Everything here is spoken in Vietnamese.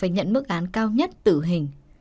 nhận mức án cao nhất tử hình